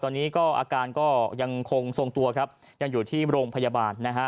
ตอนนี้ก็อาการก็ยังคงทรงตัวครับยังอยู่ที่โรงพยาบาลนะฮะ